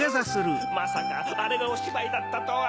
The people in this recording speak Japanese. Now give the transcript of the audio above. まさかあれがおしばいだったとは。